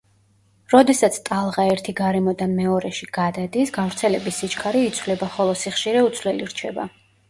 როდესაც ტალღა ერთი გარემოდან მეორეში გადადის, გავრცელების სიჩქარე იცვლება, ხოლო სიხშირე უცვლელი რჩება.